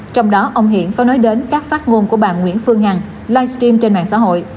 trong đó ông hiển có nói đến các phát ngôn của bà nguyễn phương hằng livestream trên mạng xã hội